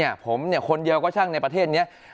ผมเนี่ยคนเดียวก็ช่างในประเทศนี้